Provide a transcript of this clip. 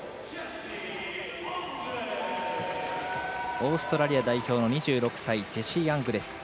オーストラリア代表の２６歳ジェシー・アングレス。